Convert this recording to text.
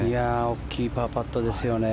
大きいパーパットですよね。